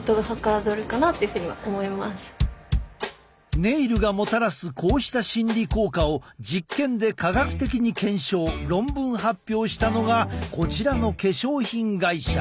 ネイルがもたらすこうした心理効果を実験で科学的に検証論文発表したのがこちらの化粧品会社。